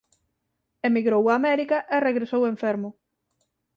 Emigrou a América e regresou enfermo.